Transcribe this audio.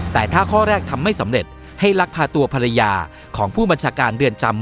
แต่ถ้าข้อแรกทำไม่สำเร็จให้ลักพาตัวภรรยาของผู้บัญชาการเรือนจำ